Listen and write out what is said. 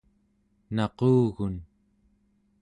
naqugun